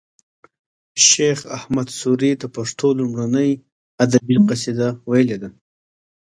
شیخ اسعد سوري د پښتو لومړنۍ ادبي قصیده ویلې ده